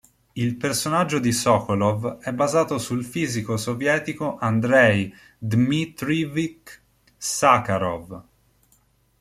Il personaggio di Sokolov è basato sul fisico sovietico Andrej Dmitrievič Sacharov.